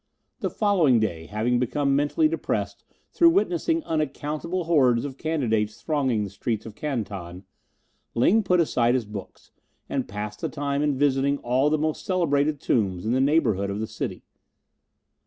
The following day, having become mentally depressed through witnessing unaccountable hordes of candidates thronging the streets of Canton, Ling put aside his books, and passed the time in visiting all the most celebrated tombs in the neighbourhood of the city.